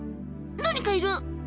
何かいる！